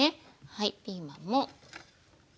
はいピーマンも。